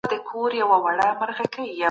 د استازو او خلګو اړیکه څنګه ساتل کېږي؟